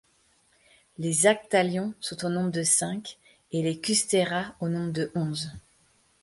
Les Aqutallion sont au nombre de cinq et les Kustera au nombre de onze.